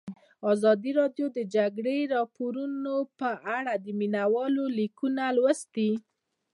ازادي راډیو د د جګړې راپورونه په اړه د مینه والو لیکونه لوستي.